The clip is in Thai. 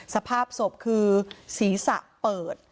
สภาพศพคือศีรษะเปิด